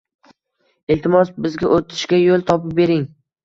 Iltimos, bizga oʻtishga yoʻl topib bering!